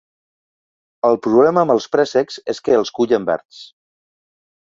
El problema amb els préssecs és que els cullen verds.